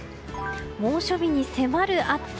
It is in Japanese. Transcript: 猛暑日に迫る暑さ。